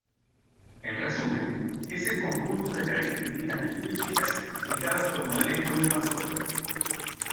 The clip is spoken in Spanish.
En resumen, es el conjunto de características lingüísticas dejadas por una lengua invasora.